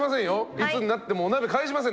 いつになってもお鍋返しません